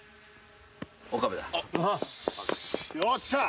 よし。